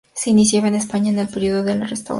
Se iniciaba en España el periodo de la Restauración.